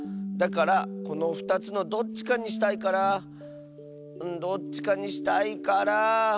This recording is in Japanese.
だからこの２つのどっちかにしたいからどっちかにしたいから。